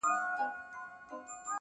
سپينه شغله د تورو تورو بلاګانو په ضد